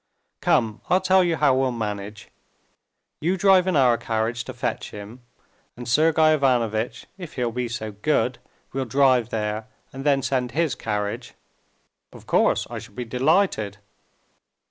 "Come, I'll tell you how we'll manage: you drive in our carriage to fetch him, and Sergey Ivanovitch, if he'll be so good, will drive there and then send his carriage." "Of course; I shall be delighted."